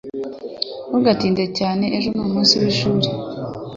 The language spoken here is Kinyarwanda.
Ntugatinde cyane. Ejo umunsi w'ishuri.